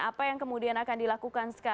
apa yang kemudian akan dilakukan sekarang